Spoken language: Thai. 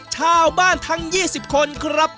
ชาวบ้านทั้ง๒๐คนครับ